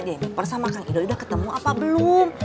jennifer sama kang idoi udah ketemu apa belum